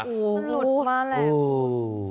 มันหลุดมาแล้ว